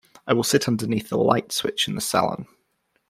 I will sit underneath the light switch in the salon.